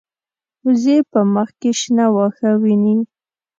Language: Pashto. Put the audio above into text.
وزې په مخ کې شنه واښه ویني